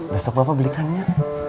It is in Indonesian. besok bapak belikannya